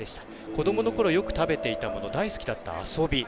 子どもの頃よく食べていたもの大好きだった遊び。